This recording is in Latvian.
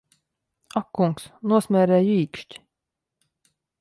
Ak kungs, nosmērēju īkšķi!